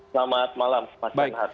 selamat malam mas r